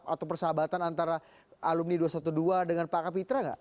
atau persahabatan antara alumni dua ratus dua belas dengan pak kapitra nggak